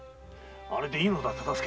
あれでいいのだ忠相。